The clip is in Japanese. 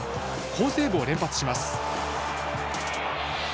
好セーブを連発します。